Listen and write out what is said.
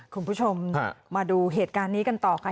คุณผู้ชมมาดูเหตุการณ์นี้กันต่อค่ะ